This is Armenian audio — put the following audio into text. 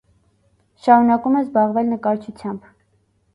Շարունակում է զբաղվել նկարչությամբ։